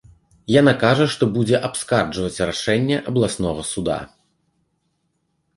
Яна кажа, што будзе абскарджваць рашэнне абласнога суда.